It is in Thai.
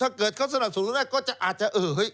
ถ้าเกิดเขาสนับสนุนแล้วก็อาจจะ